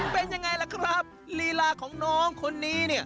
เป็นอย่างไรล่ะครับลีล่าของน้องคนนี้